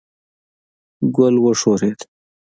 ګل وښورېد.